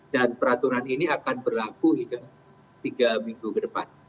dan peraturan ini akan berlaku hingga tiga minggu ke depan